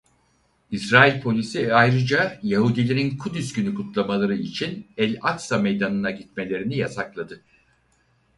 İsrail Polisi ayrıca Yahudilerin Kudüs Günü kutlamaları için El Aksa meydanına gitmelerini yasakladı.